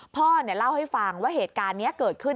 พ่อเล่าให้ฟังว่าเหตุการณ์นี้เกิดขึ้น